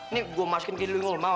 ini gua masukin ke diri lu mau nggak